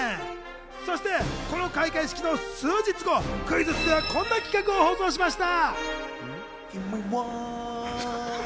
そして、この開会式の数日後、クイズッスではこんな企画を放送しました。